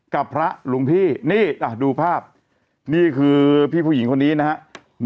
กับพระหลวงพี่นี่ดูภาพนี่คือพี่ผู้หญิงคนนี้นะครับ